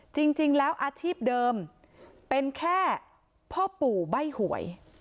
จริงแล้วอาชีพเดิมเป็นแค่พ่อปู่ใบ้หวย